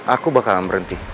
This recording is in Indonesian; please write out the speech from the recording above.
aku bakalan berhenti